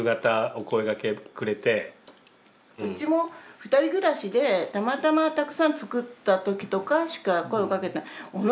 うちも２人暮らしでたまたまたくさん作った時とかしか声はかけない。